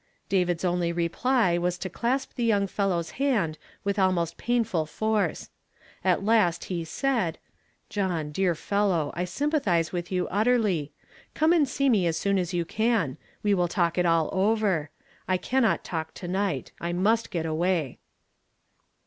" David's only reply was to clasp the young fel low's hand with almost painful force. At last he said :" John, dear fellow ! I sympathize with you utterly. Come and see me as soon as you can ; we will talk it all over. I cannot talk to night. I must get away."